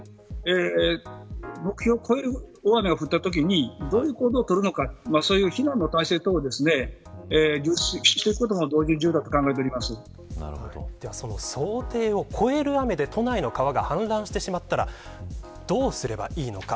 目標を超える大雨が降ったときにどういう行動を取るのか避難の体制などを導入していくことも想定を超える雨で都内の川が氾濫してしまったらどうすればいいのか。